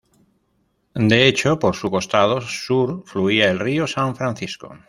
De hecho por su costado sur fluía el Río San Francisco.